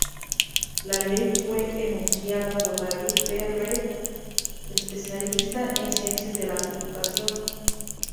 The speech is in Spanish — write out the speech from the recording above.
La ley fue enunciada por David P. Reed, especialista en ciencias de la computación.